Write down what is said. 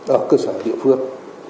ở cơ sở địa phương